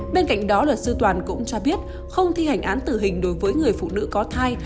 bên cạnh đó luật sư toàn cũng cho biết không thi hành án tử hình đối với người phụ nữ có thai